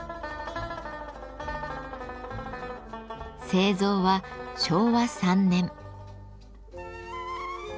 製造は昭和３年。